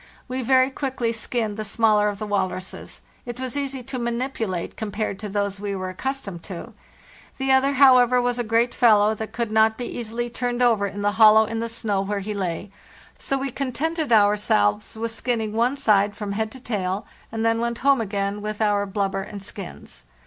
We very quickly skinned the smaller of the walruses; it was easy to manipulate compared to those we were accus tomed to. The other, however, was a great fellow that could not be easily turned over in the hollow in the snow where he lay; so we contented ourselves with skinning one side from head to tail, and then went home again with our blubber and skins.